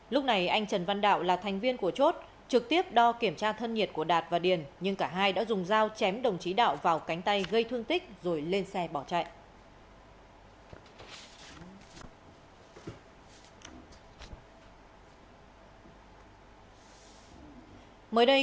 lúc này anh trần văn đạo là thành viên của chốt trực tiếp đo kiểm tra thân nhiệt của đạt và điền nhưng cả hai đã dùng dao chém đồng chí đạo vào cánh tay gây thương tích rồi lên xe bỏ chạy